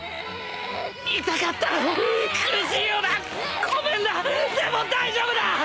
痛かったろう苦しいよなごめんなでも大丈夫だ！